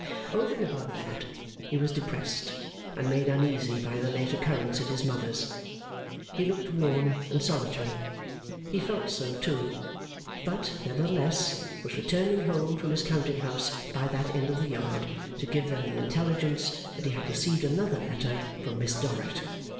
Over and above that, he was depressed and made uneasy by the late occurrence at his mother's. He looked worn and solitary. He felt so, too; but, nevertheless, was returning home from his counting house by that end of the Yard to give them the intelligence that he had received another letter from Miss Dorrit.